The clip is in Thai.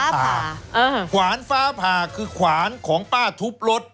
ผ่าขวานฟ้าผ่าคือขวานของป้าทุบรถ